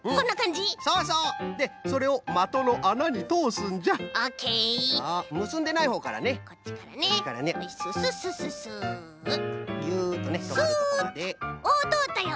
おおとおったよ。